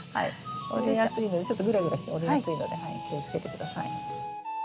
折れやすいのでちょっとグラグラして折れやすいので気をつけて下さい。